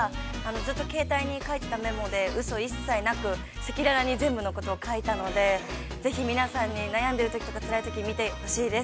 ずっと携帯に書いてたメモでうそ一切なく、赤裸々に全部のことを書いたのでぜひ皆さんに、悩んでるときとかつらいときに見てほしいです。